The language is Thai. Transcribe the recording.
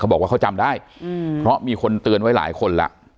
บอกว่าเขาจำได้เพราะมีคนเตือนไว้หลายคนแล้ว